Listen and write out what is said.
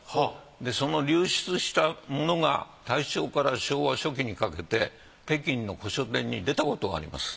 でその流出したものが大正から昭和初期にかけて北京の古書店に出たことがあります。